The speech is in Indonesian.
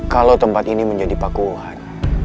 kalau tempat ini menjadi pakuan